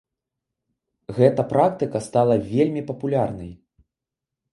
Гэта практыка стала вельмі папулярнай.